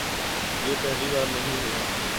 یہ پہلی بار نہیں ہوا۔